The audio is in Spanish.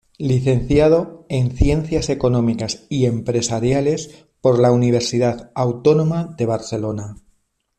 Licenciado en Ciencias Económicas y Empresariales por la Universidad Autónoma de Barcelona.